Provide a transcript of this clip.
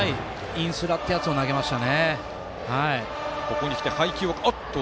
インスラというやつを投げました。